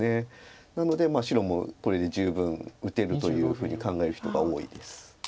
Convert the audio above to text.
なので白もこれで十分打てるというふうに考える人が多いです。